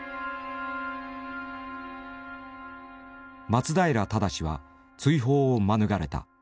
松平精は追放を免れた。